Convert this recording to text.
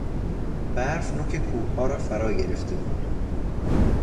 برف نوک کوهها را فرا گرفته بود.